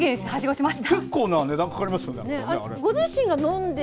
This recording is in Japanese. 結構な値段かかりますよね、あれ。